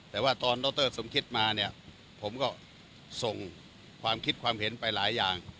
แต่ว่าตอนดรสมคิดมาเนี่ยผมก็ส่งความคิดความเห็นไปหลายอย่าง